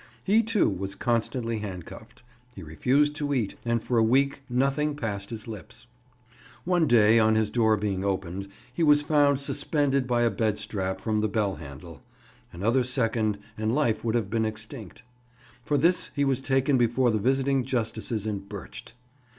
He, too, was constantly handcuffed; he refused to eat, and for a week nothing passed his lips. One day, on his door being opened, he was found suspended by a bed strap from the bell handle: another second, and life would have been extinct. For this he was taken before the visiting justices and birched.